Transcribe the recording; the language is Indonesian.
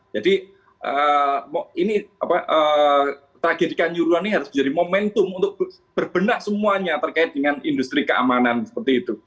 jadi tragedikan nyuruhannya harus menjadi momentum untuk berbenah semuanya terkait dengan industri keamanan seperti itu